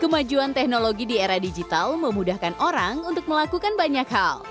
kemajuan teknologi di era digital memudahkan orang untuk melakukan banyak hal